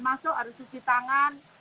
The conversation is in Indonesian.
masuk harus cuci tangan